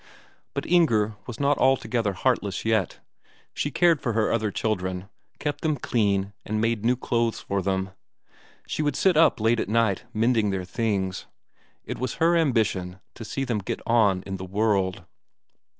But Inger was not altogether heartless yet; she cared for her other children, kept them clean and made new clothes for them; she would sit up late at night mending their things. It was her ambition to see them get on in the world.